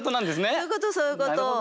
そういうことそういうこと。